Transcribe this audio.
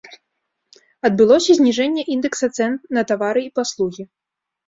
Адбылося зніжэнне індэкса цэн на тавары і паслугі.